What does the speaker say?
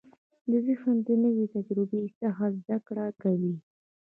ذهن د نوې تجربې څخه زده کړه کوي.